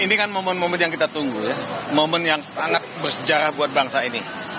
ini kan momen momen yang kita tunggu ya momen yang sangat bersejarah buat bangsa ini